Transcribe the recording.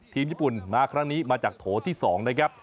ทีมญี่ปุ่นมาครั้งนี้มาจากโถที่๒นะครับ